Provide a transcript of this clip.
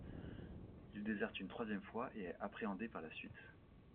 Il déserte une troisième fois, et est appréhendé par la suite.